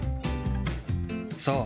そう。